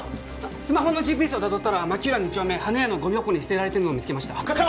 スマホのＧＰＳをたどったら牧浦２丁目花屋のゴミ箱に捨てられているのを見つけました課長！